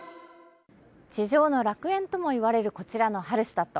地上の楽園ともいわれる、こちらのハルシュタット。